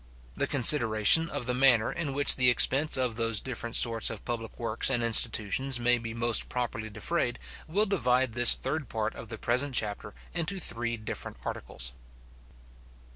The consideration of the manner in which the expense of those different sorts of public works and institutions may be most properly defrayed will divide this third part of the present chapter into three different articles.